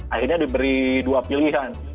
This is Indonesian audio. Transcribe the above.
akhirnya diberi dua pilihan